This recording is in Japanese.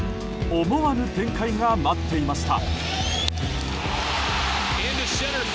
思わぬ展開が待っていました。